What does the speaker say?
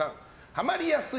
ハマりやすい？